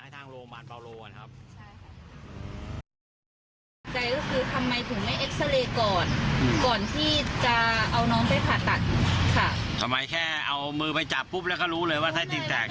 ทำไมแค่เอามือไปจับปุ๊บแล้วก็รู้เลยว่าไส้ติ่งแตก